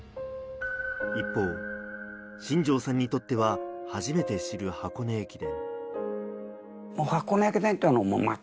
一方、新城さんにとっては初めて知る箱根駅伝。